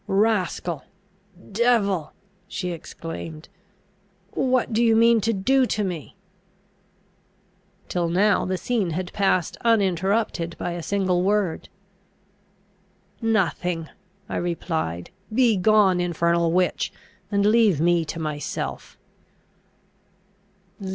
"Rascal! devil!" she exclaimed, "what do you mean to do to me?" Till now the scene had passed uninterrupted by a single word. "Nothing," I replied: "begone, infernal witch! and leave me to myself."